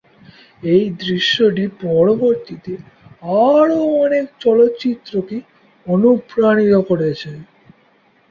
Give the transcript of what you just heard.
এই দৃশ্যটি পরবর্তীতে আরও অনেক চলচ্চিত্রকে অনুপ্রাণিত করেছে।